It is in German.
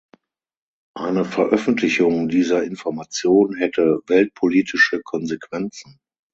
Eine Veröffentlichung dieser Information hätte weltpolitische Konsequenzen.